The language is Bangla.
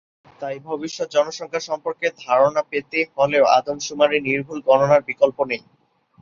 তাই ভবিষ্যত জনসংখ্যা সম্পর্কে ধারণা পেতে হলেও আদমশুমারির নির্ভুল গণনার বিকল্প নেই।